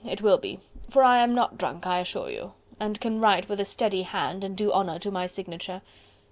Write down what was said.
it will be... for I am not drunk, I assure you.... and can write with a steady hand... and do honour to my signature...."